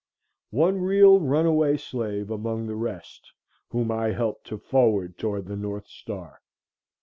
One real runaway slave, among the rest, whom I helped to forward toward the northstar.